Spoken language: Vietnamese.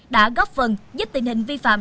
đã góp phần giúp tình hình vi phạm